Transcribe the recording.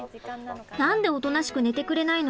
何でおとなしく寝てくれないの？